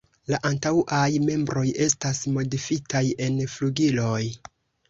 La antaŭaj membroj estas modifitaj en flugiloj.